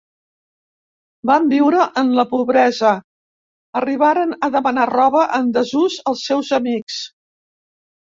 Van viure en la pobresa: arribaren a demanar roba en desús als seus amics.